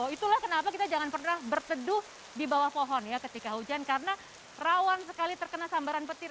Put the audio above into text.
itulah kenapa kita jangan pernah berteduh di bawah pohon ya ketika hujan karena rawan sekali terkena sambaran petir